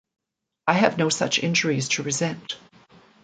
I have no such injuries to resent.